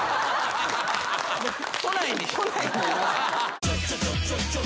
都内に。